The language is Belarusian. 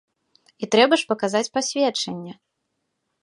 І трэба ж паказаць пасведчанне.